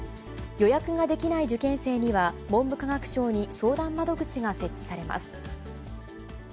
予約ができない受験生には文部科学省に相談窓口が設置されます。